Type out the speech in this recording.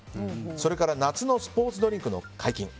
それから夏のスポーツドリンクの解禁。